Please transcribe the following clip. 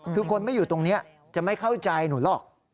คือคนไม่อยู่ตรงนี้จะไม่เข้าใจหนูหรอก